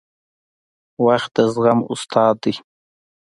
• وخت د زغم استاد دی.